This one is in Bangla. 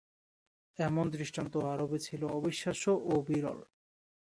এমন দৃষ্টান্ত আরবে ছিল অবিশ্বাস্য ও বিরল।